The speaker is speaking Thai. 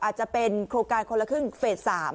อาจจะเป็นโครงการคนละครึ่งเฟส๓